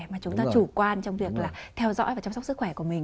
mà chúng ta chủ quan trong việc là theo dõi và chăm sóc sức khỏe của mình